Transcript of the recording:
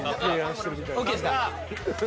ＯＫですか？